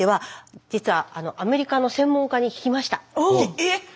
えっ！